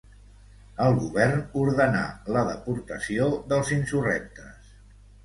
El govern ordenà la deportació dels insurrectes.